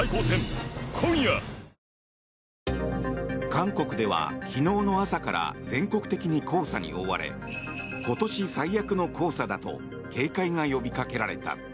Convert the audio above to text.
韓国では昨日の朝から全国的に黄砂に覆われ今年最悪の黄砂だと警戒が呼びかけられた。